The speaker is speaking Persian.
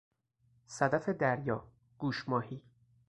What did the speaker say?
صدف دریا، گوش ماهی